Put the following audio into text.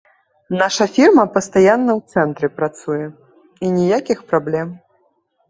Наша фірма пастаянна ў цэнтры працуе, і ніякіх праблем.